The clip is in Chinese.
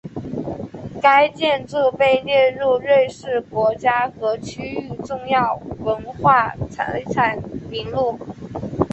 该建筑被列入瑞士国家和区域重要文化财产名录。